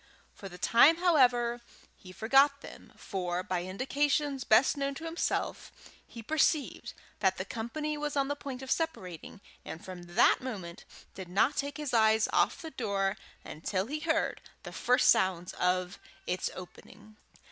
For the time, however, he forgot them, for, by indications best known to himself, he perceived that the company was on the point of separating, and from that moment did not take his eyes off the door until he heard the first sounds of its opening.